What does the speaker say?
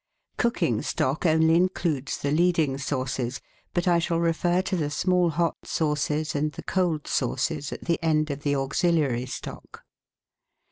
Cooking stock only includes the leading sauces, but I shall refer to the small hot sauces and the cold sauces at the end of the auxiliary stock.